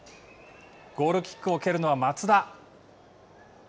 ゴールキックを蹴るのは松田。